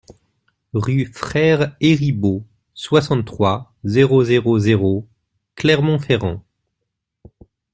Rue Frère Héribaud, soixante-trois, zéro zéro zéro Clermont-Ferrand